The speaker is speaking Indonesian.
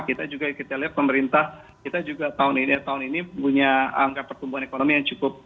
kita juga lihat pemerintah kita juga tahun ini mempunyai angka pertumbuhan ekonomi yang cukup tinggi